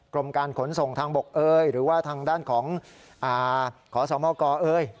กรมการขนส่งทางบกเอยหรือว่าทางด้านของขอสมกเอ่ย